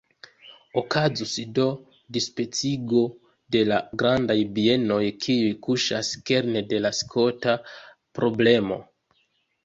Okazus do dispecigo de la grandaj bienoj, kiuj kuŝas kerne de la skota problemo.